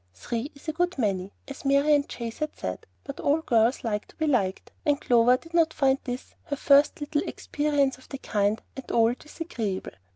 "Three is a good many," as Marian Chase had said, but all girls like to be liked, and Clover did not find this, her first little experience of the kind, at all disagreeable.